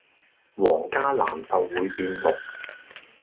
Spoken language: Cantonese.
黃加藍就會變綠